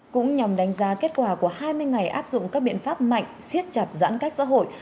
cũng nhằm đánh giá kết quả của hai mươi ngày áp dụng các biện pháp mạnh siết chặt giãn cách xã hội